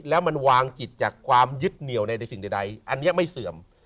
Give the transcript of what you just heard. แล้วมันวางจิตจากความยึดเหนี่ยวในสิ่งใดอันนี้ไม่เสื่อม